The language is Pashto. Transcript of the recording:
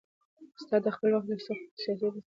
استاد د خپل وخت له سختو سیاسي بدلونونو څخه ډېر اغېزمن و.